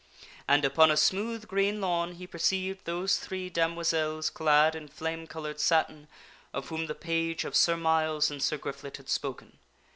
And upon a smooth green lawn he perceived those three damoiselles clad in flame colored satin of whom the page of Sir Myles and Sir Griflet had spoken.